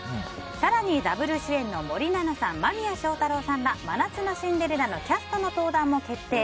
更に、ダブル主演の森七菜さん、間宮祥太朗さんら「真夏のシンデレラ」のキャストの登壇も決定！